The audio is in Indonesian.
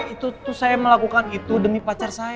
itu saya melakukan itu demi pacar saya